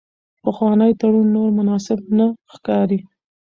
پخوانی تړون نور مناسب نه ښکاري.